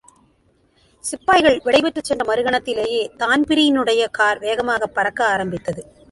சிப்பாய்கள் விடைபெற்றுச் சென்ற மறுகணத்திலேயே தான்பிரீனுடைய கார் வேகமாய்ப் பறக்க ஆரம்பித்தது.